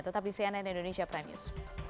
tetap di cnn indonesia prime news